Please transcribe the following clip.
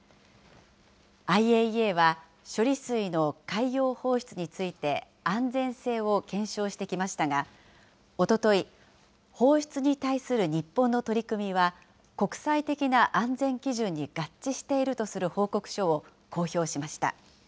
ＩＡＥＡは、処理水の海洋放出について、安全性を検証してきましたが、おととい、放出に対する日本の取り組みは、国際的な安全基準に合致しているとする報告書を公表しました。